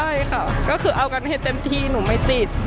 ใช่ค่ะก็คือเอากันให้เต็มที่หนูไม่ติด